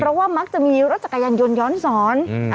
เพราะว่ามักจะมีรถจักรยานยนต์ย้อนสอน